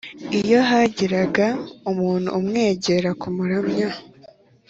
Iyo hagiraga umuntu umwegera kumuramya